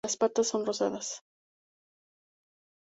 Las patas son rosadas.